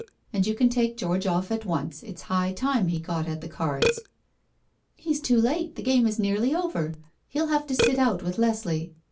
And you can take George off at once. It's high time he got at the cards." "He's too late, the game is nearly over. He'll have to sit out with Leslie.